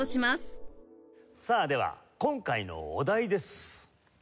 さあでは今回のお題です。